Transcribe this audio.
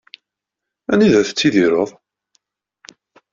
Anida tettidireḍ?